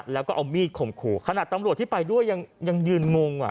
แล้วก็เอามีดข่มขู่ขนาดตำรวจที่ไปด้วยยังยืนงงอ่ะ